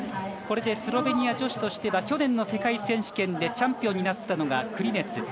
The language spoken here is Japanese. これでスロベニア女子としては去年の世界選手権でチャンピオンになったのがクリネツ。